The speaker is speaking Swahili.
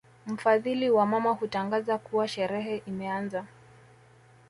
Mfadhili wa mama hutangaza kuwa sherehe imeanza